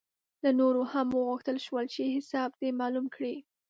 له نورو هم وغوښتل شول چې حساب دې معلوم کړي.